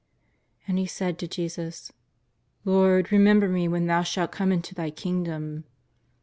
And he said to Jesus: ^' Lord, remember me when Thou shalt come into Tliy Kingdom."